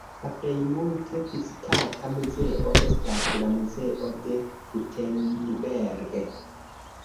La plej multe vizitata muzeo estas la Muzeo de Gutenberg.